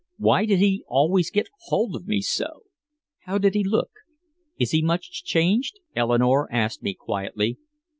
Why did he always get hold of me so? "How did he look? Is he much changed?" Eleanore asked me quietly.